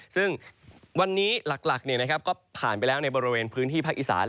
ซึ่งวันนี้หลักก็ผ่านไปแล้วในบริเวณพื้นที่ภาคอีสาน